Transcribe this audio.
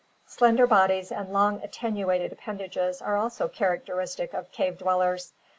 Slender bodies and long attenuated appendages are also characteristic of cave dwellers.